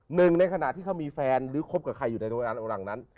หนึ่งในขณะที่เขามีแฟนหรือคบกับใครอยู่ในหลังนั้น